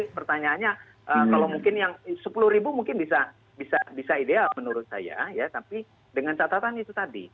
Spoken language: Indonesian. pertanyaannya kalau mungkin yang sepuluh ribu mungkin bisa ideal menurut saya ya tapi dengan catatan itu tadi